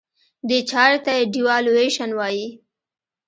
دې چارې ته Devaluation وایي.